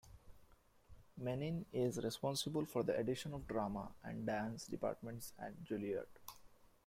Mennin is responsible for the addition of drama and dance departments at Juilliard.